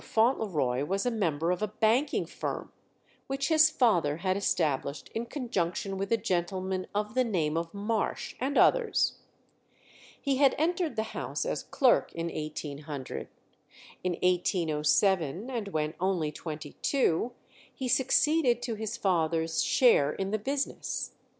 Fauntleroy was a member of a banking firm, which his father had established in conjunction with a gentleman of the name of Marsh, and others. He had entered the house as clerk in 1800; in 1807, and when only twenty two, he succeeded to his father's share in the business.